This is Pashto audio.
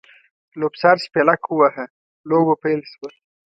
لوبڅار شپېلک ووهه؛ لوبه پیل شوه.